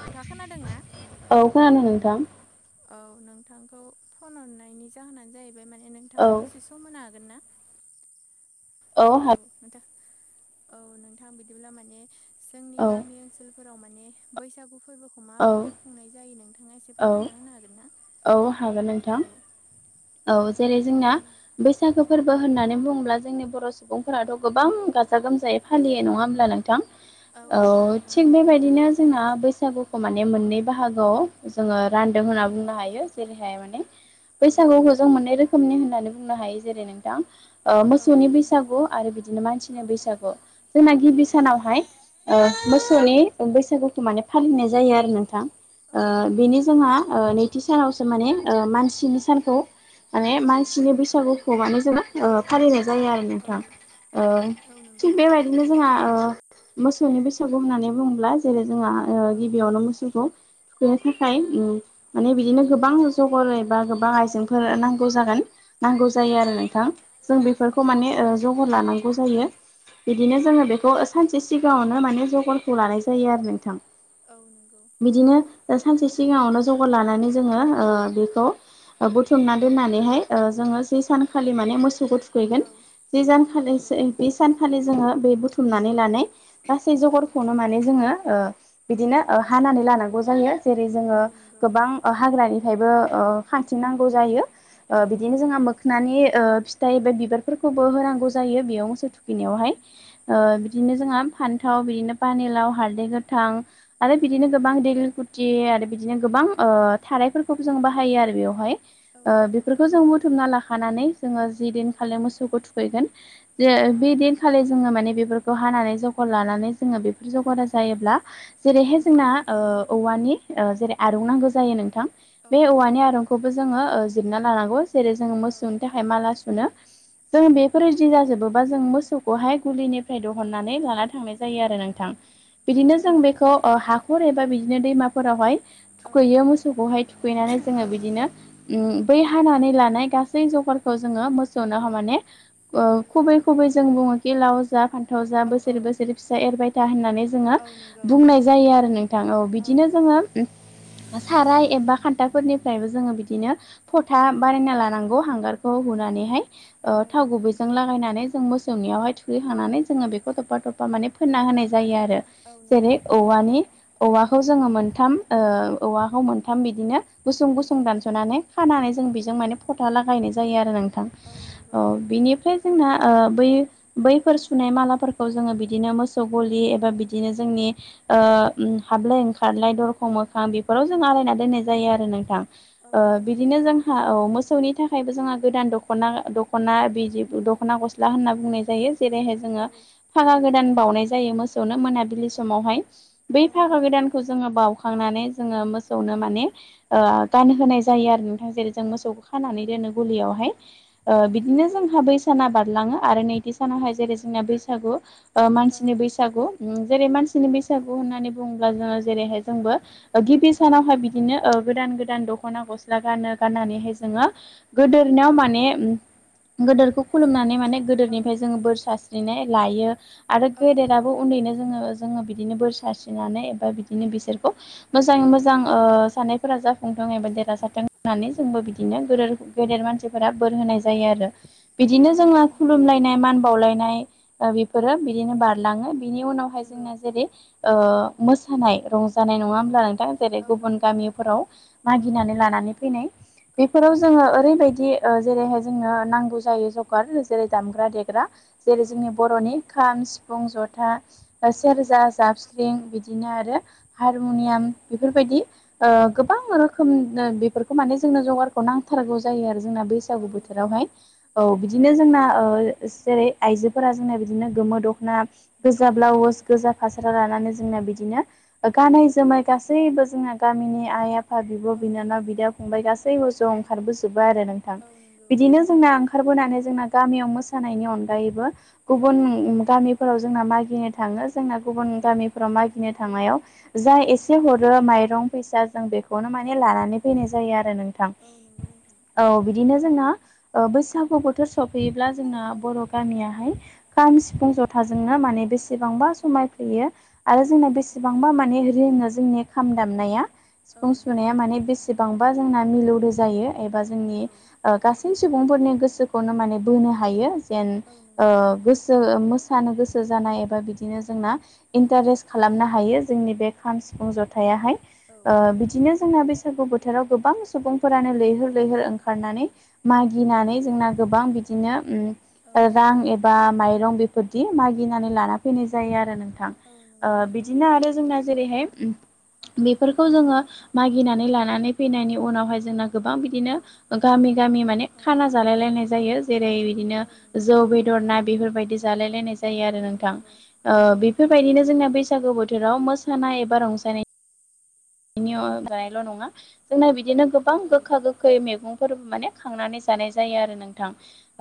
नोंथाङा खोनादों ना? औ खोनादों नोंथां। औ नोंथांखौ फन हरनायनि जाहोनानो जाहैबाय माने औ नोंथाङा दसे सम होनो हागोन ना? औ नोंथां औ नोंथां बिदिब्ला माने जोंनि औ गामि ओनसोल सोलफोराव माने बैसागु फोरबोखौ औ माबायदि खुंनाय जायो नोंथाङा एसे औ फोरमायना होनो हागोन ना? औ हागोन नोंथां औ औ जेरै औ जोंना बैसागो फोरबो होननानै बुङोब्ला जोंनि बर' सुबुंफोराथ' गोबां गाजा गोमजायै फालियो नङा होमब्ला नोंथां? औ नंगौ नोंथां थिग नंगौ बेबायदिनो जोंना बैसागुखौ माने मोननै बाहागोआव जोङो रानदों औ होनना बुंनो हायो जेरैहाय माने औ बैसागुखौ जों मोननै रोखोमनि होननानै बुंनो हायो जेरै नोंथां ओ औ मोसौनि नंगौ बैसागु आरो बिदिनो औ मानसिनि बैसागु। जोंना गिबि नंगौ सानावहाय ओ मोसौनि बैसागुखौ माने फालिनाय जायो औ आरो नोंथां औ ओ नंगौ बेनि जोंहा ओ नै थि सानावसो माने ओ मानसिनि सानखौ माने औ मानसिनि बैसागु खौ माने जोङो ओ फालिनाय जायो आरो नोंथां ओ औ नंगौ थिग बेबाय दिनो जोंहा ओ मोसौनि बैसागु होननानै बुङोब्ला जेरै जोंहा ओ औ गिबियावनो मोसौखौ थुखैनो थाखाय औ उम नंगौ माने बिदिनो गोबां जगर एबा गोबां आइजेंफोर नांगौ जागोन। नांगौ औ जायो आरो नंगौ नोंथां जों बेफोरखौ नंगौ माने ओ जगर लानांगौ जायो। बिदिनो नंगौ जोङो नोंथां बेखौ सानसे सिगाङावनो माने जगरखौ लानाय जायो आरो नोंथां। औ नंगौ। बिदिनो ओ सानसे सिगाङावनो जगार लानानै जोङो ओ बेखौ ओ बुथुमना दोन्नानैहाय जोङो ओ जि सानखालि माने मोसौखौ सै औ नंगौ जेजानखालिसे जोङो बे बुथुमनानै लानाय गासै औ जगरखौनो माने जोङो ओ बिदिनो ओ हानानै लानांगौ जायो जेरै जोङो औ नंगौ ओं हाग्रानिफ्रायबो ओ खांथिं नांगौ जायो ओ औ बिदिनो नंगौ जोंहा मोखो नानि फिथाइ एबा बिबार फोरखौबो औ होनांगौ जायो बेयाव मोसौ औ थुखैनायावहाय नंगौ ओ नंगौ बिदिनो जोंहा फान्थाव बिदिनो पानिलाव हारदै गोथां आरो औ बिदिनो गोबां दैलि थि आरो बिदिनो गोबां ओ थाराइफोरखौबो जों बाहायो आरो बेवहाय औ ओ नंगौ बेफोरखौ जों बुथुमना लाखानानै जोङो जि दिन औ खालि मोसौखौ थुखैगोन जे औ नंगौ बेदिनखालि जोङो माने बेफोरखौ खौ हानानै जगार लानानै जोङो बेफोर औ जगारा जायोब्ला जेरैहाय औ जोंना ओ औवानि जेरै आरौ नांगौ जायो नोंथां औ बे नंगौ औवानि खौबो जोङो ओ जिरना लानांगौ जेरै जोङो औ मोसौनि थाखाय फाय माला सुनो जों बेफोरबादि जाजोबोबा जों मोसौखौहाय गुलिनि फ्राय औ दहननानै नंगौ लाना थांनाय जायो आरो नोंथां। बिदिनो जों नंगौ बेखौ हाखर एबा बिदिनो दैमाफोरावहाय औ थुखैयो मोसौखौहाय थुखैनानै औ जोङो बिदिनो नंगौ उम बै हानानै लानाय गासै जगारखौ जोङो औ मोसौनाव माने ओ खुबै खुबै जों बुङो बे लाव जा फान्थाव जा औ बोसोरे बोसोरे फिसा एरबाय था होननानै जोङो औ नंगौ बुंनाय औ जायो आरो नोंथां औ बिदिनो जोङो साराय एबा खान्थाफोरनिफ्रायबो जोङो बिदिनो औ फथा नंगौ बारायना लानांगौ हांगारखौ नंगौ हुनानैहाय ओ औ थाव नंगौ गुबैजों लागायनानै जों मो सौनियावहाय थुगैखांनानै जोङो बेखौ थबफा थबफा माने फोनना होनाय जायो आरो औ जेरै नंगौ औवानि औवाखौ जोङो मोनथाम ओ औवाखौ मोनथाम बिदिनो गुसुं गुसुं औ दानस'नानै खानानै जों औ बेजों माने फथा लागायनाय जायो आरो नोंथां। नंगौ औ नोंथां बिनिफ्राय जोंना ओ बै बैफोर सुनाय मालाफोरखौ जोङो बिदिनो मोसौ गलि एबा बिदिनो जोंनि ओ उम हाबलाय ओंखारलाय दरखं मोखां बे फोराव जों आलायना दोननाय जायो आरो नोंथां औ ओ नंगौ बिदिनो जों हा औ मोसौनि थाखायबो जोंहा गोदान दख'ना दख'ना बिदि दख'ना गसला ब्ला होनना बुंनाय जायो जेरैहाय औ जोङो फागा गोदान बावनाय जायो मोसौनो मोनाबिलि समावहाय औ बै फागा गोदान खौ जोङो बावखांनानै जोङो मोसौनो माने ओ गानहोनाय जायो आरो नोंथां जेरै जों मोसौखौ खानानै दोनो गुलियावहाय ओ बिदिनो जोंहा बै साना बारलाङो आरो नैथि सानावहाय जेरै जोंना बैसागु ओ मानसिनि बैसागु जेरै मानसिनि बैसागु होननानै बुङोब्ला जोङो जेरैहाय जोंबो गिबि औ सानावहाय बिदिनो गोदान गोदान दख'ना गस्ला गानो गाननानैहाय जोङो गोदोरनियाव माने उम गोदोरखौ खुलुमनानै माने औ गोदोरनिफ्राय जोङो बोर सारस्रि बिदिनो लायो आरो औ नंगौ गेदेराबो उन्दैनो जोङो जोङो बिदिनो बोर सारस्रिनानै एबा बिदिनो बिसोरखौ मोजाङै मोजां औ औ ओ फोरा जाफुंथों एबा देरहासाराथों होननानै जोंबो बिदिनो गेदेर गेदेर मानसिफोरा बोर होनाय जायो आरो औ बिदिनो नंगौ जोंना नोंथां खुलुमलायनाय मान बावलायनाय ओ औ बेफोरो बिदिनो बारलाङो बिनि उनावहाय नंगौ जोङो जेरै ओ मोसानाय रंजानाय नङा औ अब्ला नोंथां जेरै औ नंगौ गुबुन नोंथां गामिफोराव औ मागिनानै लानानै फैनाय औ औ बेफोराव जोङो ओरैबायदि ओ जेरैहाय जोंनो नांगौ जायो जगार जेरै दामग्रा देग्रा औ जेरै जोंनि बर'नि खाम सिफुं जथा औ सेरजा जाबस्रिं बिदिनो आरो औ हारमुनियाम बेफोरबायदि गोबां रोखोम औ बेफोर खो माने जोंनो जगारखौ नांथारगौ जायो आरो जोंना बे औ बैसागु नंगौ बोथोरावहाय औ बिदिनो जोंना जेरै आइजोफोरा जोंना बिदिनो गोमो दख'ना औ गोजा ब्लाउस गोजा फासारा लानानै जोंना बिदिनो औ गानै जोमनाय गासैबो जोंना गामिनि आइ आ फा बिब' बिनानाव बिदा फंबाय गासैबो ज' ओंखारबोजोबो आरो नोंथां। औ नंगौ बिदिनो जोंना ओंखारबोनानै जोंना गामियाव मोसानायनि अनगायैबो औ गुबुन गामि फोराव जोंना मागिनो थाङो जोंना गुबुन गामिफोराव मागिनो थांनायाव जा ए से हरो माइरं फैसा जों बेखौनो औ माने लानानै फैनाय जायो आरो नोंथां। औ नंगौ नोंथां औ बिदिनो जोंना ओ बैसागु बोथोर सफैयोब्ला जोंना बर' औ गामियाहाय खाम सिफुं ज जथा जोंनो माने बेसेबांबा समायफ्लेयो आरो औ जोंना बेसेबांबा माने रिङो जोंनि खाम दामनाया औ सिफुं नंगौ सुनाया माने बेसेबांबा जोंना मिलौदो जायो। एबा जोंनि औ गासै सुबुंफोरनि गोसोखौनो माने बोनो हायो। जेन औ नंगौ ओ गोसो मोसानो गोसो जानाय एबा बिदिनो जोंना औ इन्टारेस्ट खालामनो हायो जोंनि बे खाम सिफुं जथायाहाय औ ओ बिदिनो जोंना बैसागु बोथोराव गोबां सुबुंफोरानो औ लैहोर लैहोर ओंखारनानै मागिनानै जोंना गोबां बिदिनो नंगौ औ नंगौ औ रां ए बा माइरं बेफोरदि मागिनानै लाना फैनाय जायो आरो नोंथां। औ नंगौ औ ओ नंगौ औ नंगौ बि दिनो आरो जोंना जेरैहाय बेफोर औ खौ जोङो मागिनानै लानानै फैनायनि उनावहाय जोंना गोबां बिदिनो गामि गामि औ माने खाना जालाय लायनाय जायो जेरै बिदिनो औ नंगौ जौ बे दर ना बेफोरबायदि जालाय लनाय जायो आरो औ नोंथां नंगौ बेफोरबायदिनो जोंना बे बैसागो बोथोराव मोसानाय एबा रंजानाय बिनि अनगायल' नङा जोंना बिदिनो गोबां गोखा गोखै मैगंफोर माने खांनानै जानाय जायो आरो नोंथां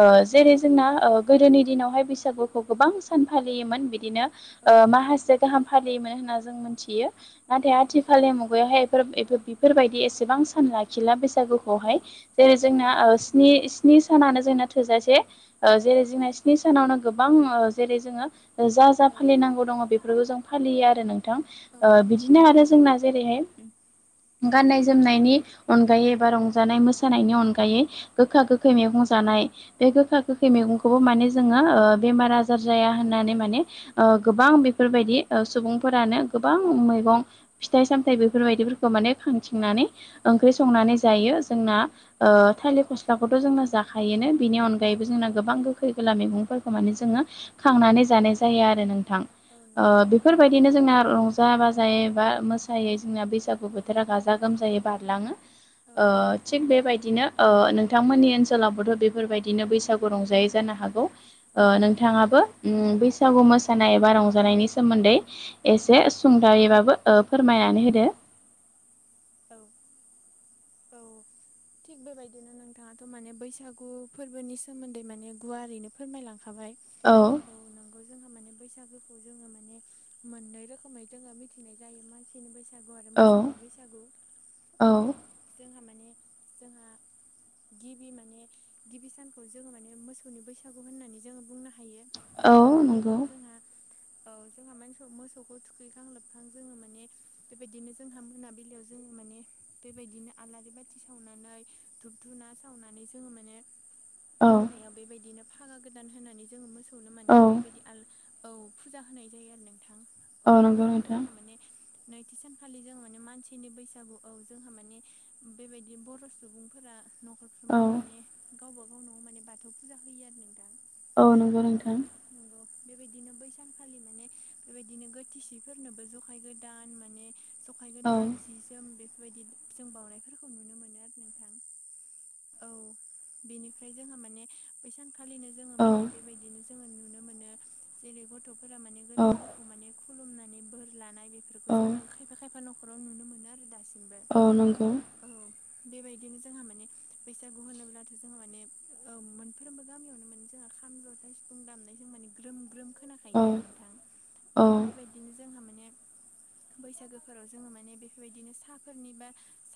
ओ जेरै जोंना ओ गोदोनि दिनावहाय बैसागुखौ गोबां सान फालियोमोन बिदिनो माहासे गाहाम फालियोमोन होन्ना जों मोनथियो नाथाय औ आथि नंगौ मुगायावहाय बेफोरबायदि एसेबां सान लाखिला बैसागु बावहाय औ जेरै औ जोंना नंगौ ओ स्नि स्नि सानानो जोंना थोजासे ओ औ जेरै जोंना स्नि सानावनो गोबां जेरै जोङो जा औ फालिनांगौ दङ बेफोरखौ जों फालियो आरो नों थां‌ औ ओ नंगौ बिदिनो नोंथां आरो जोंना जेरैहाय औ गाननाय जोमनायनि अनगायै बा रंजानाय मोसानायनि अनगायै गोखा गोखै मैगं जानाय बे गोखा गोखै औ मैगंखौबो माने जोङो बेमार आजार जाया होननानै माने गोबां बेफोरबायदि सुबुंफोरानो गोबां मैगं फिथाइ सामथाय बेफोरबायदिफोर खो माने औ खांथिंनानै ओंख्रि संनानै जायो जोंना ओ नंगौ थालिर फस लाखौथ' जोंना जाखायोनो बेनि अनगायैबो जोंना गोबां गो खै गोला मैगंफोरखौ माने जोङो खांनानै जानाय जायो आरो नोंथां। ओ ओं। बेफोरबायदिनो जोंना रंजा बाजायै बा मोसा सायै जोंना बैसागु बोथोरा गाजा गोमजायै बारलाङो। औ ओ थिग बेबायदिनो नोंथांमोननि ओनसोलावबोथ' बेफोरबायदिनो बैसागु रंजायो जानो हागौ। औ नोंथाङाबो बैसागु मोसानाय एबा रंजानायनि सोमोन्दै एसे सुंदयैबाबो फोरमायनानै होदो। औ। औ। थिग बेबायदिनो नोंथाङाथ' माने बैसागु फोरबोनि सोमोन्दै माने गुवारैनो फोरमायलांखाबाय। औ। औ नोंगौ जोंहा माने बैसागोखौ जोङो माने मोननै रोखोमै जोङो मिथिनाय जायो मा खासेनि बैसागु आरो औ मोसौनि बैसागु औ जोंहा माने जोंहा गिबि माने गिबि सानखौ जोङो माने मोसौनि बैसागु होननानै जोङो बुंनो हायो। औ बेबायदिनो जोंहा औ जोंहा मानस मोसौखौ थुखैखां लोबखां जोङो माने बेबायदिनो जोंहा मोनाबिलियाव जोङो माने बेबायदिनो आलारि बाथि सावनानै धुुबधुना सावनानै जोङो माने औ मोनायाव बेबायदिनो फागा गोदान होनानै जोङो मोसौनो माने औ बेबायदि आल औ फुजा होनाय जायो आरो नोंथां औ नंगौ बेबायदिनो नोंथां जोंहा माने नैथि सानखालि जों माने मानसिनि बैसागु औ जोंहा माने बेबायदि बर' सुबुंफोरा औ न'खरफ्रोमबो माने गावबा गाव न'आव माने बाथौ फुजा होयो आरो नोंदां। औ नंगौ औ नोंथां नंगौ बेबायदिनो बैसानखालि माने बेबायदिनो गोथिसिफोरनोबो जखाय गोदान माने सखाय औ गोदान जि जोम बेफोरबायदि जों बावनाय खौ नुनो मोनो आरो नोंथां। औ बेनिफ्राय जोंहा माने बै सान फालिनो जोङो औ माने बेबायदिनो जोङो नुनो मोनो जेरै गथ'फोरा माने औ गेदेरफोरखौ माने खुलुमनानै बोर लानाय बेफोरखौ औ जोङो खायफा खायफा न'खराव नुनो मोनो आरो दासिमबो। औ नंगौ। औ बेबायदिनो जोंहा माने बैसागु होनोब्लाथ' जोंहा माने औ मोनफ्रोमबो गामियावनो मोनसे जोंहा खाम जथा सिफुं दामनाय जों माने ग्रोम ग्रोम औ खोनाखायो आरो नोंथां। औ बेबायदिनो जोंहा माने बैसागोफोराव जोङो माने बेफोरबायदिनो साहाफोरनि बा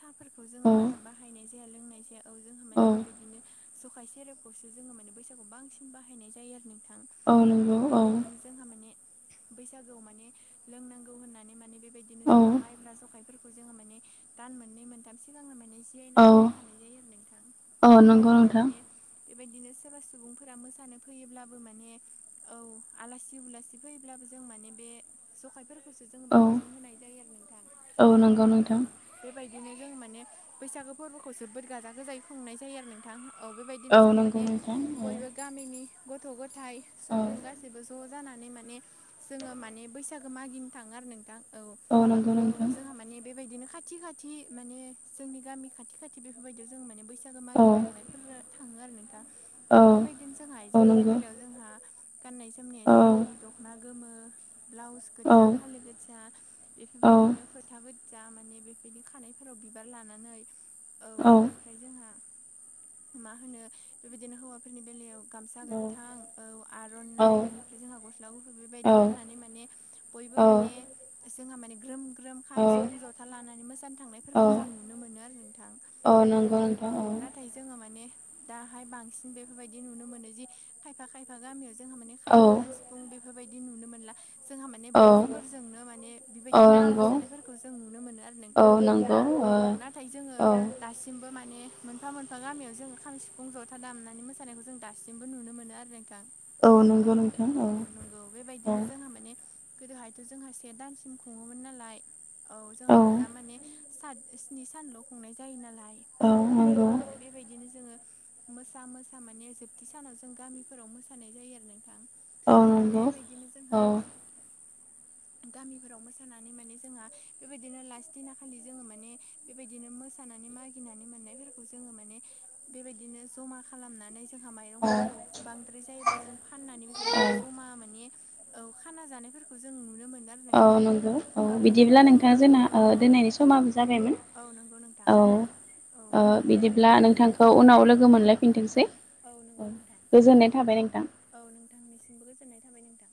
साफोरखौ जोङो औ बारा बाहायनाय जाया लोंनाय जाया औ जोंहा माने बेबायदिनो ज खाय सेरेबखौसो जोङो माने बैसागु बांसिन बाहायनाय जायो आरो नोंथां। औ बेबायदिनो जों जोंहा माने बैसागोआव माने लोंनांगौ होननानै माने बे बायदिनो औ जोंहा माइबब्ला जखायफोरखौ जोङो माने दान मोननै मोनथाम सिगांनो माने जियाइनानै औ दोनखानाय जायो आरो नोंथां। औ नंगौ बेबायदिनो नोंथां माने बेबायदिनो सोरबा सुबुंफोरा मोसानो फैयोब्लाबो माने औ आलासि उलासि फैयोब्लाबो जों माने बे जखायफोरखौसो जोङो औ बांसिन होनाय जायो आरो नोंथां। औ नंगौ औ नोंथां बेबायदि बिदिनो जों माने बैसागो फोरबोखौ जोबोद गाजा गोजायै खुंनाय जायो आरो नोंथां। औ औ बेबायदिनो जोङो नंगौ माने नोंथां बयबो औ गामिनि गथ' गथायाइ औ सुबुं गासैबो ज' जानानै माने जोङो माने बैसागो मागिनो थाङो आरो नोंथां। औ बा नंगौ औ नोंथां जोंहा माने बेबायदिनो खाथि खाथि माने जोंनि गामि खाथि खा थि बेफोरबायदियाव जों माने बैसागो औ मागिनो थांनायफोर थाङो आरो नोंथां। औ बेबायदिनो जोंहा औ आइजोफोरनि नंगौ बेलायाव जोंहा गाननाय जोमनाया औ जेरैहाय दखना गोमो ब्लाउस औ गोजा फालि गोजा औ बेफोरबायदिनो फोथा गोजा माने बे बेनि खानायफोराव बिबार लानानै औ बेनि ओमफ्राय जोंहा मा होनो बेबायदिनो हौवाफोरनि बेलायाव गामसा गोथां औ औ आर'नाइ बेनिफ्राय जोंहा गस्ला गुफुर बेबायदि औ गाननानै माने बयबो माने जोंहा माने ग्रोम ग्रोम खाम सिफुं जथा लानानै मो सानो थांनायफोरखौ जों नुनो मोनो आरो नोंथां। औ नंगौ औ नोंथां नाथाय जोङो माने दाहाय बांसिन बेफोरबायदि नुनो मोनो जि खायफा खायफा गामियाव जोंहा माने खाम औ जथा सिफुं बेफोरबायदि नुनो मोनला। जोंहा माने औ बक्सफोरजोंनो माने औ बेबायदि गोबां नंगौ मोसानायफोरखौ जों नुनो मोनो आरो नों औ नंगौ औ नाथाय जोङो औ दासिमबो माने मोनफा मोनफा गामियाव जों खाम सिफुं ज'था दामनानै मोसानायखौ जों दा सिमबो नुनो मोनो आरो नोंथां। औ औ नंगौ बेबायदिनो औ जोंहा माने गोदोहायथ' जोंहा से दानसिम खुङोमोन नालाय औ जोंहाथ' दा माने सात स्नि सानल' खुंनाय जायो नालाय औ जोंहा माने बेबायदिनो जोङो मोसा मोसा माने जोबथि सानाव जों गामिफोराव मोसानाय जायो आरो नोंथां। औ बेबायदिनो जोंहा औ गामिफोराव मोसानानै माने जोंहा बेबायदिनो लास्ट दिना खालि जोङो माने बेबायदिनो मोसानानै मागिनानै मोननायफोरखौ जोङो माने बेबायदिनो जमा खालामनानै जोंहा औ माइरंफोरखौ बांद्राय जायोब्ला जों फाननानै बेबायदिनो औ जमा माने औ खाना जानायफोरखौ जों नुनो मोनगोन। औ नंगौ औ बिदिब्ला नोंथाङा जोंना औ ओ औ दोननायनि समाबो जाबायमोन। औ नंगौ नोंथां औ औ ओ दे बिदिब्ला नोंथां नोंथांखौ उनाव लोगो मोनलायफिनथोंसै। औ नंगौ नोंथां गोजोननाय थाबाय नोंथां। औ नोंथांनिसिमबो गोजोननाय थाबाय नोंथां।